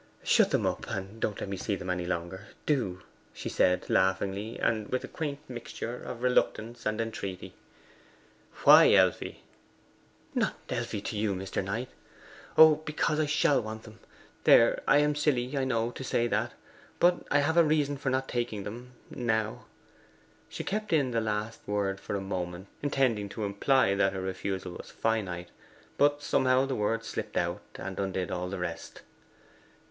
'Shut them up, and don't let me see them any longer do!' she said laughingly, and with a quaint mixture of reluctance and entreaty. 'Why, Elfie?' 'Not Elfie to you, Mr. Knight. Oh, because I shall want them. There, I am silly, I know, to say that! But I have a reason for not taking them now.' She kept in the last word for a moment, intending to imply that her refusal was finite, but somehow the word slipped out, and undid all the rest.